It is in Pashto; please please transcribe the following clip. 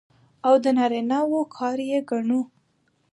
او د نارينه وو کار يې ګڼو.